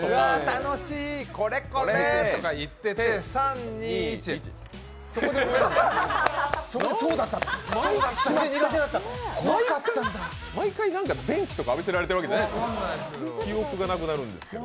楽しい、これこれとか言ってて、３２１毎回、電気とか浴びせられているわけじゃないですよね。